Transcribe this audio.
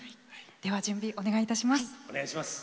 では準備お願いいたします。